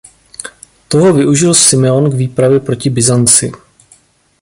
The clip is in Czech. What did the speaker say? Toho využil Simeon k výpravě proti Byzanci.